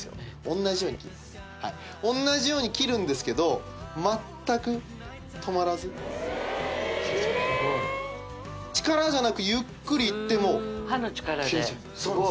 同じように切るはい同じように切るんですけど全く止まらず切れちゃう力じゃなくゆっくりいっても刃の力で？